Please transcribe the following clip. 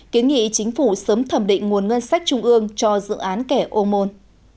kiến nghị chính phủ sớm thẩm định nguồn ngân sách trung ương cho dự án kẻ ô môn